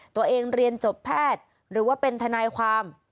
ตัวเองเรียนจบแพทย์หรือว่าเป็นทนายความ